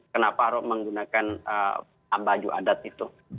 kenapa rok menggunakan baju adat itu